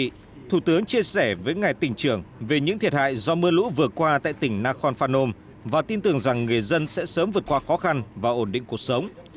tại buổi làm việc thủ tướng chia sẻ với ngày tỉnh trưởng về những thiệt hại do mưa lũ vừa qua tại tỉnh nakhon phanom và tin tưởng rằng người dân sẽ sớm vượt qua khó khăn và ổn định cuộc sống